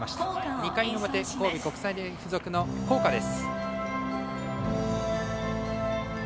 ２回の表、神戸国際大付属の校歌です。